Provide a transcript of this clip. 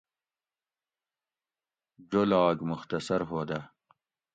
جولاگ مختصر ہودہ